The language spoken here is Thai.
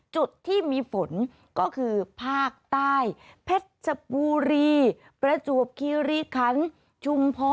จุดที่มีฝนก็คือภาคใต้เพชรชบุรีประจวบคีรีคันชุมพร